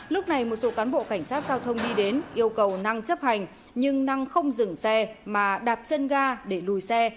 lúc này một số cán bộ cảnh sát giao thông đi đến yêu cầu năng chấp hành nhưng năng không dừng xe mà đạp chân ga để lùi xe